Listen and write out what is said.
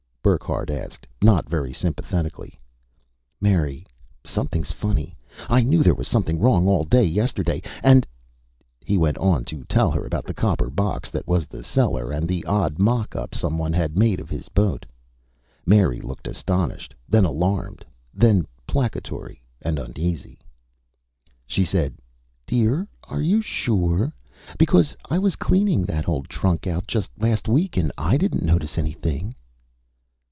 Burckhardt asked, not very sympathetically. "Mary, something's funny! I knew there was something wrong all day yesterday and " He went on to tell her about the copper box that was the cellar, and the odd mock up someone had made of his boat. Mary looked astonished, then alarmed, then placatory and uneasy. She said, "Dear, are you sure? Because I was cleaning that old trunk out just last week and I didn't notice anything."